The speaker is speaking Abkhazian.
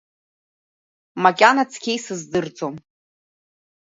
Макьана цқьа исыздырӡом.